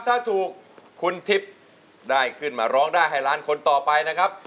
ถ้าถูกคุณทิพย์ได้ขึ้นมาร้องได้ให้ล้านคนต่อไปนะครับ